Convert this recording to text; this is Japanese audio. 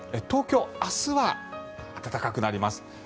東京、明日は暖かくなります。